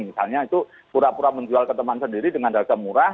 misalnya itu pura pura menjual ke teman sendiri dengan harga murah